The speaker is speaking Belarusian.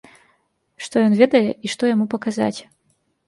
Што ён ведае і што яму паказаць.